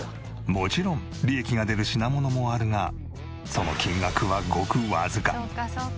もちろん利益が出る品物もあるがその金額はごくわずか。